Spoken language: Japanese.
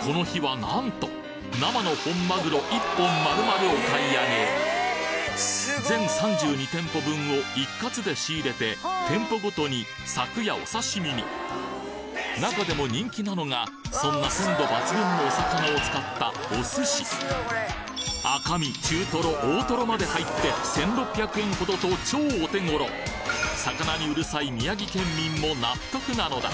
この日は何と生の本マグロ一本丸々お買い上げ全３２店舗分を一括で仕入れて店舗ごとにさくやお刺身に中でも人気なのがそんな鮮度抜群のお魚を使ったお寿司赤身中トロ大トロまで入って１，６００円ほどと超お手頃魚にうるさい宮城県民も納得なのだ